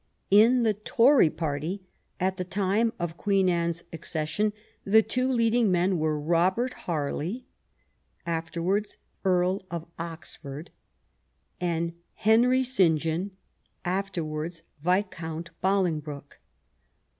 In the Tory party at the time of Queen Anne's acces sion the two leading men were Robert Harley, after wards Earl of Oxford, and Henry St. John, afterwards Viscount Bolingbroke.